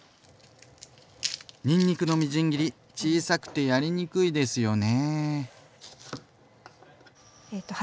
にんにくのみじん切り小さくてやりにくいですよね。